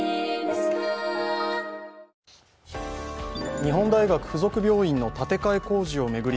日本大学附属病院の建て替え工事を巡り